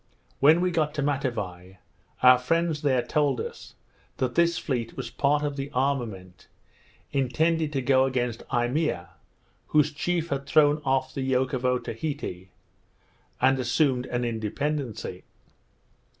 When we got to Matavai, our friends there told us, that this fleet was part of the armament intended to go against Eimea, whose chief had thrown off the yoke of Otaheite, and assumed an independency.